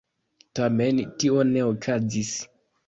Tamen tio ne okazis.